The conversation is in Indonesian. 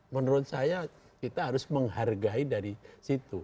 menurut saya kita harus menghargai dari situ